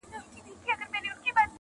چي پیدا دی له قسمته څخه ژاړي-